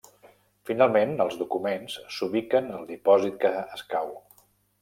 Finalment, els documents s'ubiquen al dipòsit que escau.